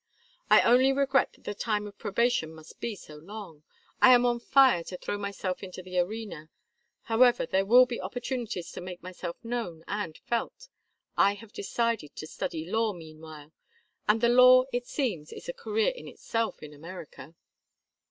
"I only regret that the time of probation must be so long. I am on fire to throw myself into the arena however, there will be opportunities to make myself known and felt. I have decided to study law meanwhile and the law, it seems, is a career in itself in America."